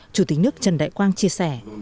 chủ tịch nước trần đại quang chia sẻ